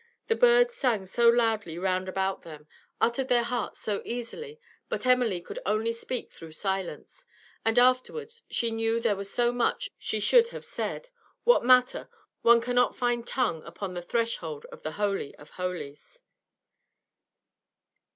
The birds sang so loudly round about them, uttered their hearts so easily, but Emily could only speak through silence. And afterwards she knew there was so much she should have said. What matter? One cannot find tongue upon the threshold of the holy of holies.